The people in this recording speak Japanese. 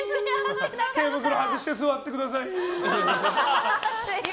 手袋はずして座ってください。